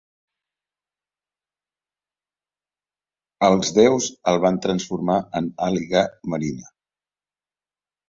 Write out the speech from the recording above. Els déus el van transformar en àliga marina.